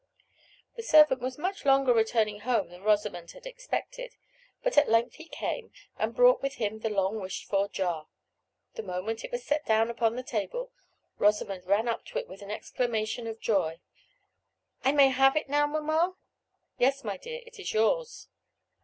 The servant was much longer returning home than Rosamond had expected; but at length he came, and brought with him the long wished for jar. The moment it was set down upon the table, Rosamond ran up to it with an exclamation of joy: "I may have it now, mamma?" "Yes, my dear, it is yours."